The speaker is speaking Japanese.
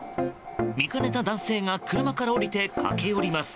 見かねた男性が車から降りて駆け寄ります。